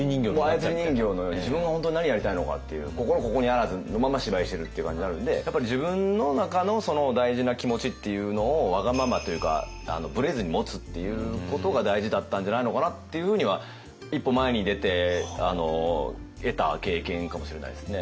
操り人形のように自分が本当に何やりたいのかっていうやっぱ自分の中のその大事な気持ちっていうのをわがままというかブレずに持つっていうことが大事だったんじゃないのかなっていうふうには一歩前に出て得た経験かもしれないですね。